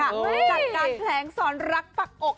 กัดการแพล้งสอนลักษณ์ปากอก